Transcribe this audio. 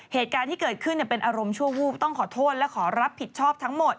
เหตุการณ์ที่เกิดขึ้นเป็นอารมณ์ชั่ววูบต้องขอโทษและขอรับผิดชอบทั้งหมด